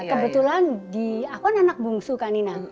kebetulan aku anak bungsu kan ini